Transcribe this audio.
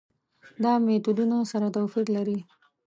دا میتودونه سره توپیر لري.